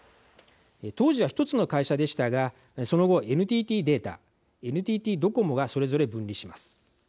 当時は一つの会社でしたがその後ＮＴＴデータＮＴＴドコモがそれぞれ分離します。